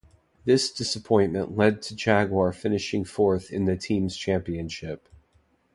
This disappointment led to Jaguar finishing fourth in the Teams Championship.